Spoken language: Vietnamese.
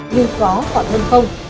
nhưng có còn hơn không